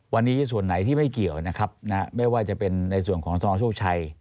วันนี้ส่วนไหนที่ไม่เกี่ยวนะครับไม่ว่าจะเป็นในส่วนของสนโชคชัย